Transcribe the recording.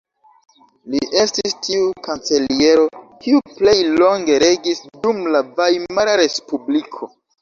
Li estis tiu kanceliero kiu plej longe regis dum la Vajmara Respubliko.